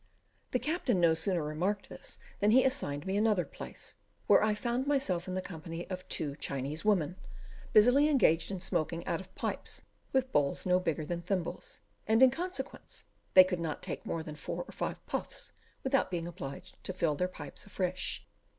The captain no sooner remarked this than he assigned me another place, where I found myself in the company of two Chinese women, busily engaged in smoking out of pipes with bowls no bigger than thimbles, and in consequence they could not take more than four or five puffs without being obliged to fill their pipes afresh.